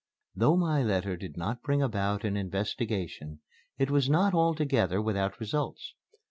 Though my letter did not bring about an investigation, it was not altogether without results.